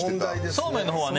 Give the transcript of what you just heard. そうめんの方はね